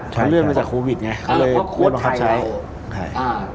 ต้องเร่งมาจากโคสไทยไงเขาเลยคลทไทไล่